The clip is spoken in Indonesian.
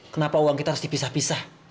kenapa uang kita harus dipisah pisah